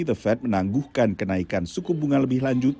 the fed menangguhkan kenaikan suku bunga lebih lanjut